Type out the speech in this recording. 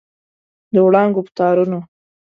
د وړانګو په تارونو